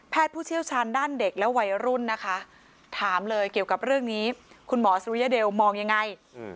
ผู้เชี่ยวชาญด้านเด็กและวัยรุ่นนะคะถามเลยเกี่ยวกับเรื่องนี้คุณหมอสุริยเดลมองยังไง